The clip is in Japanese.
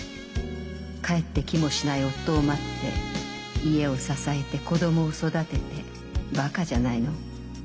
『帰ってきもしない夫を待って家を支えて子供を育ててバカじゃないの。